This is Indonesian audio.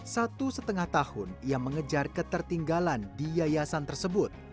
satu setengah tahun ia mengejar ketertinggalan di yayasan tersebut